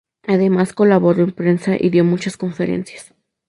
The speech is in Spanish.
Además colaboró en prensa y dio muchas conferencias.